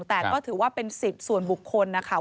แต่ก็ถือว่าเป็นสิทธิ์ส่วนบุคคลนะคะ